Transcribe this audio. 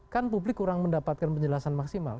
kan publik kurang mendapatkan penjelasan maksimal